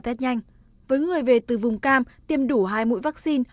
test nhanh với người về từ vùng cam tiêm đủ hai mũi vaccine